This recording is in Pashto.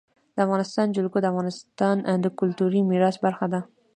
د افغانستان جلکو د افغانستان د کلتوري میراث برخه ده.